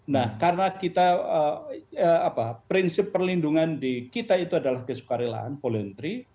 nah karena prinsip perlindungan di kita itu adalah kesukaan relaan poliuntri